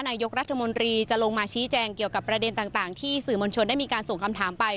นายกรัฐมนตรีจะลงมาชี้แจงเกี่ยวกับประเด็นต่างที่สื่อมวลชนได้มีการส่งคำถามไป